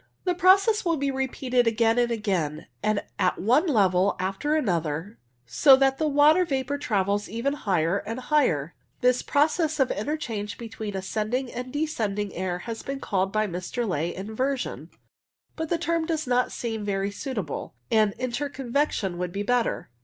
The process will be repeated again and again, and at one level after another, so that the water vapour travels ever higher and higher. This process of interchange between ascending and descending air has been called by Mr. Ley inversion, but the term does not seem very suit able, and interconvection would be better.